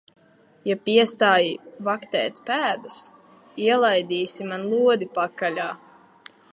Ja piestāji vaktēt pēdas, ielaidīsi man lodi pakaļā.